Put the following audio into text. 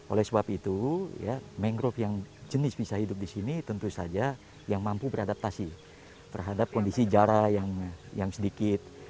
oleh sebab itu mangrove yang jenis bisa hidup di sini tentu saja yang mampu beradaptasi terhadap kondisi jarak yang sedikit